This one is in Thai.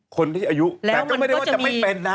คนที่อายุแต่ก็ไม่ได้ว่าจะไม่เป็นนะ